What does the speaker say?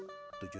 kota tanah seribu